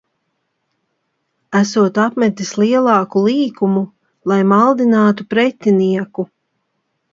Esot apmetis lielāku līkumu, lai maldinātu pretinieku.